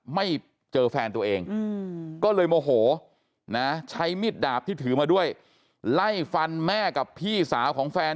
ไม่เจอแฟนตัวเองก็เลยโมโหนะใช้มิดดาบที่ถือมาด้วยไล่ฟันแม่กับพี่สาวของแฟน